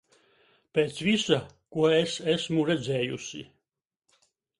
Pēc visa, ko es esmu redzējusi...